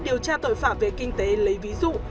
điều tra tội phạm về kinh tế lấy ví dụ